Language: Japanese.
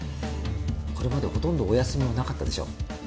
これまでほとんどお休みもなかったでしょう？